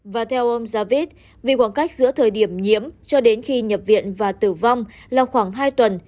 và theo ông javid vì khoảng cách giữa thời điểm nhiễm cho đến khi nhập viện và tử vong là khoảng hai tuần